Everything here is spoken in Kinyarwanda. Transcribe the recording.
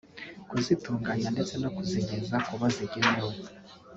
kuzitunganya ndetse no kuzigeza ku bo zigenewe